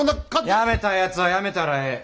辞めたいやつは辞めたらええ。